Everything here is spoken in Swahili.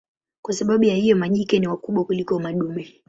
Kwa sababu ya hiyo majike ni wakubwa kuliko madume.